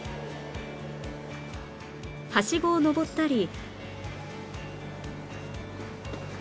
はしごを登ったり